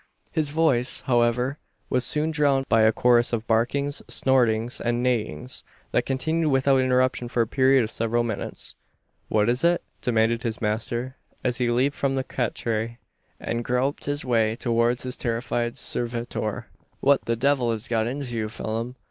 His voice, however, was soon drowned by a chorus of barkings, snortings, and neighings, that continued without interruption for a period of several minutes. "What is it?" demanded his master, as he leaped from the catre, and groped his way towards his terrified servitor. "What the devil has got into you, Phelim?